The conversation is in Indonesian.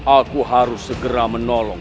aku harus segera menolong